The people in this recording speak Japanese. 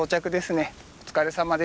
お疲れさまでした。